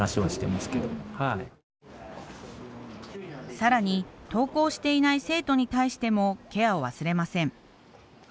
更に登校していない生徒に対してもケアを忘れません。